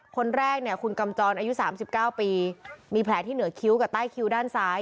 คนแรกเนี่ยคุณกำจรอายุ๓๙ปีมีแผลที่เหนือคิ้วกับใต้คิ้วด้านซ้าย